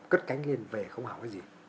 cất cánh liền vệ không học